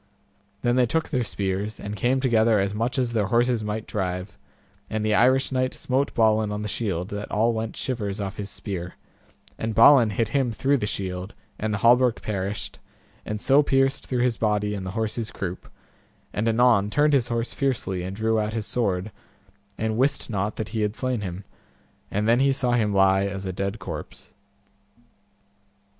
Then they took their spears, and came together as much as their horses might drive, and the Irish knight smote Balin on the shield, that all went shivers off his spear, and Balin hit him through the shield, and the hauberk perished, and so pierced through his body and the horse's croup, and anon turned his horse fiercely, and drew out his sword, and wist not that he had slain him; and then he saw him lie as a dead corpse.